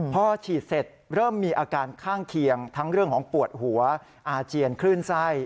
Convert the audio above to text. พอฉีดเสร็จเริ่มมีอาการข้างเคียงทั้งเรื่องของปวดหัวอาเจียนคลื่นไส้